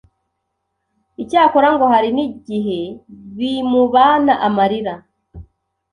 Icyakora ngo hari n’igihe bimubana amarira.